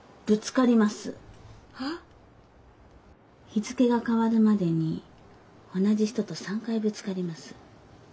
日付が替わるまでに同じ人と３回ぶつかります。